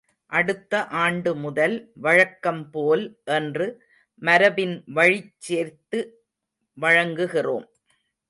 அடுத்த ஆண்டு முதல் வழக்கம்போல் என்று மரபின் வழிச்சேர்த்து வழங்குகிறோம்.